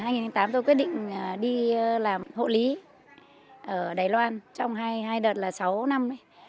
năm hai nghìn một mươi tám tôi quyết định đi làm hộ lý ở đài loan trong hai đợt là sáu năm